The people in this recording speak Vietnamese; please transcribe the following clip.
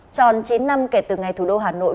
tròn chín năm kể từ ngày thủ đô hà nội